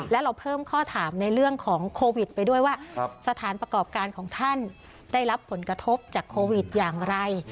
และเราเพิ่มข้อถามในเรื่องของโควิดไปด้วยว่าสถานประกอบการของท่านได้รับผลกระทบจากโควิดอย่างไร